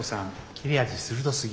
切れ味鋭すぎ。